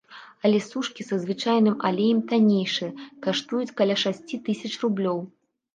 Але сушкі са звычайным алеем таннейшыя, каштуюць каля шасці тысяч рублёў.